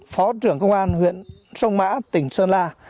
phó trưởng công an huyện sông mã tỉnh sơn la